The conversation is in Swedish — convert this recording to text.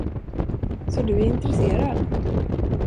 Så du är intresserad?